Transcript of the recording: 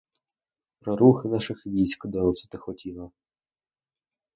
Про рухи наших військ доносити хотіла.